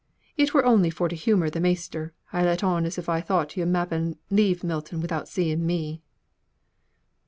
It were only for to humour the measter, I let on as if I thought yo'd mappen leave Milton without seeing me."